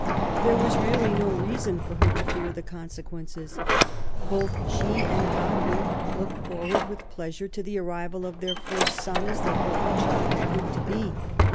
There was really no reason for her to fear the consequences. Both she and Godwin looked forward with pleasure to the arrival of their first son^ as they hoped the child would prove to be.